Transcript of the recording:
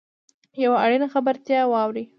یوه اړینه خبرتیا واورﺉ .